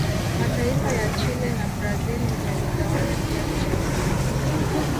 mataifa ya Chile na brazil yaligawana kiatu cha dhahabu